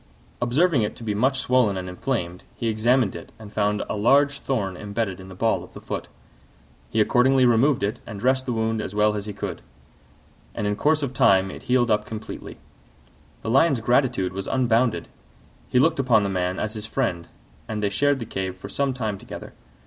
Observing it to be much swollen and inflamed, he examined it and found a large thorn embedded in the ball of the foot. He accordingly removed it and dressed the wound as well as he could: and in course of time it healed up completely. The Lion's gratitude was unbounded; he looked upon the man as his friend, and they shared the cave for some time together.